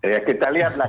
ya kita lihat lah